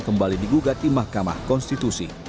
kembali digugati mahkamah konstitusi